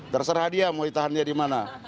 terserah dia mau ditahan dimana